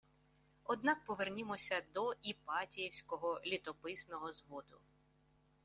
Однак повернімося до Іпатіївського літописного зводу